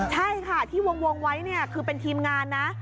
ใช่ค่ะที่วงไว้เนี่ยคือเป็นทีมงานนะ